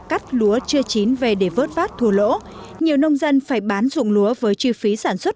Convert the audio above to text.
cắt lúa chưa chín về để vớt vát thua lỗ nhiều nông dân phải bán dụng lúa với chi phí sản xuất